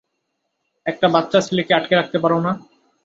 একটা বাচ্চা ছেলেকে আটকে রাখতে পারো না?